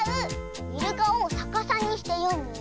イルカをさかさにしてよむの。